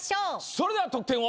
それでは得点を。